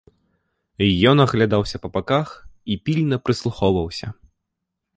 Ён аглядаўся па баках і пільна прыслухоўваўся.